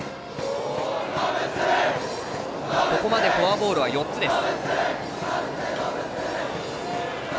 ここまでフォアボールは４つです。